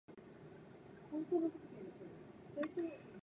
水の呼吸弐ノ型水車（にのかたみずぐるま）